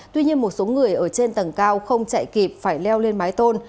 tuy nhiên một số người ở trên tầng cao không chạy kịp phải leo lên mái tôn